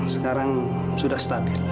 jangan jangan kawal